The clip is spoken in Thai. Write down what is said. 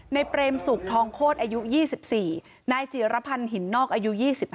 เปรมศุกร์ทองโคตรอายุ๒๔นายจิรพันธ์หินนอกอายุ๒๕